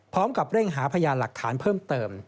พร้อมกับเร่งหาพยานหลักฐานเพิ่มเติม